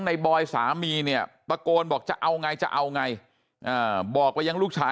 บอยสามีเนี่ยตะโกนบอกจะเอาไงจะเอาไงบอกไปยังลูกชาย